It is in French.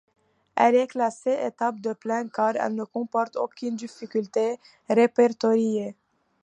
Elle est classée étape de plaine car elle ne comporte aucune difficulté répertoriée.